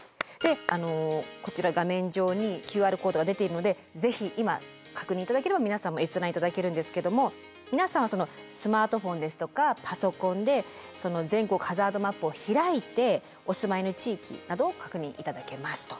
こちらに画面上にＱＲコードが出ているので是非今確認いただければ皆さんも閲覧いただけるんですけども皆さんはスマートフォンですとかパソコンで全国ハザードマップを開いてお住まいの地域などを確認いただけますと。